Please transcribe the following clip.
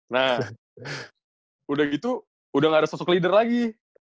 nah udah gitu udah gak ada sosok leader lagi